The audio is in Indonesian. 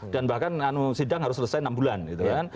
dan bahkan sidang harus selesai enam bulan gitu kan